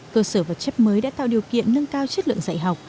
cơ sở vật chất mới đã tạo điều kiện nâng cao chất lượng dạy học